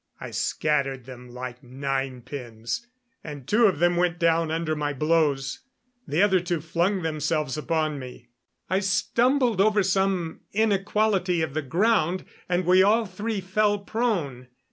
I scattered them like nine pins, and two of them went down under my blows. The other two flung themselves upon me. I stumbled over some inequality of the ground, and we all three fell prone.